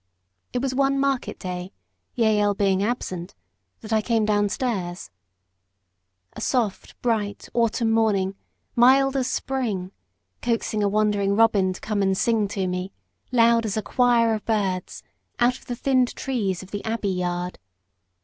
It was one market day Jael being absent that I came down stairs. A soft, bright, autumn morning, mild as spring, coaxing a wandering robin to come and sing to me, loud as a quire of birds, out of the thinned trees of the Abbey yard.